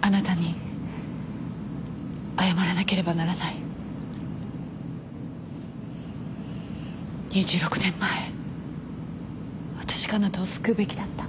あなたに謝らなければならない２６年前私があなたを救うべきだった